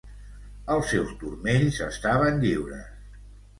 Els seus turmells estaven lliures.